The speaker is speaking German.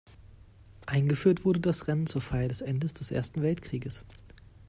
Eingeführt wurde das Rennen zur Feier des Endes des Ersten Weltkrieges.